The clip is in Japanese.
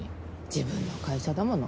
自分の会社だもの